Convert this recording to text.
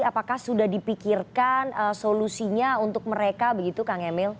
apakah sudah dipikirkan solusinya untuk mereka